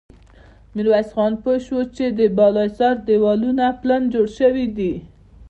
ميرويس خان پوه شو چې د بالا حصار دېوالونه پلن جوړ شوي دي.